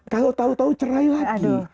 kalau tahu tahu cerai lagi